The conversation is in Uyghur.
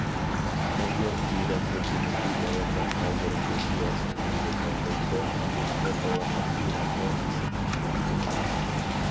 ئەگەر ئىران ھۆكۈمىتى داۋاملىق ھازىرقى سىياسىتىنى يولغا قويسا، ئامېرىكا داۋاملىق ئىرانغا بېسىم ئىشلىتىدۇ.